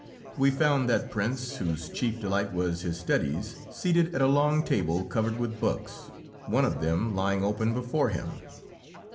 We found that prince, whose chief delight was his studies, seated at a long table covered with books, one of them lying open before him.